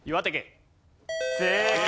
正解。